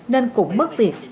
nên cũng mất việc